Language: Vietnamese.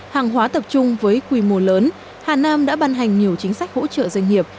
hàng hóa tập trung với quy mô lớn hà nam đã ban hành nhiều chính sách hỗ trợ doanh nghiệp